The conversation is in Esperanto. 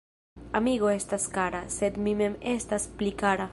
Amiko estas kara, sed mi mem estas pli kara.